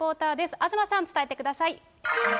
東さん、伝えてください。